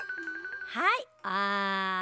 はいあん。